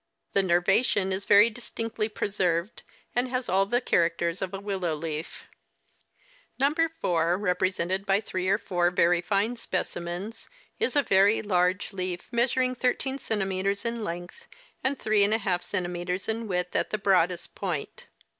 The nervation is very distinctly preserved, and has all the characters of a w^illow leaf. " Number 4, represented by three or four very fine specimens, is a very large leaf, measuring 13 cm. in length and 3] cm. in width at the broadest point.